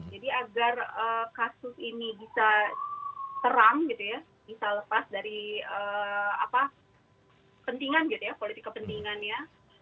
jadi agar kasus ini bisa terang gitu ya bisa lepas dari apa kepentingan gitu ya politik kepentingannya